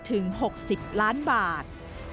ถึง๖๐ล้านบาท